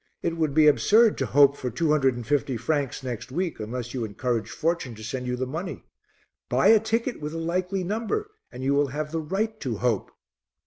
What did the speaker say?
It would be absurd to hope for two hundred and fifty francs next week unless you encouraged Fortune to send you the money. Buy a ticket with a likely number and you will have the right to hope."